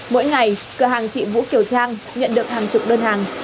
mỗi ngày cửa hàng chị vũ kiều trang nhận được hàng chục đơn hàng